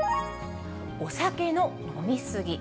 お酒の飲み過ぎ。